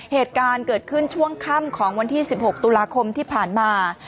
เหตุการณ์เกิดขึ้นช่วงค่ำของวันที่๑๖ตุลาคมที่ผ่านมา